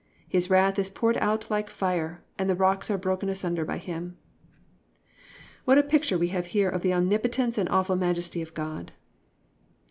His wrath is poured out like fire, and the rocks are broken asunder by him."+ What a picture we have here of the omnipotence and awful majesty of God!